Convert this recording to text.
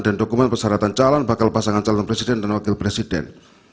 dan dokumen persyaratan calon bakal pasangan calon presiden dan wakil presiden